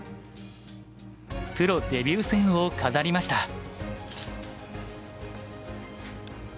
プロデビュー戦を飾りました。